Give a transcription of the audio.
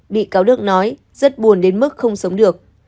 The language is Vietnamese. bị cáo đức nói rất buồn đến mức không sống được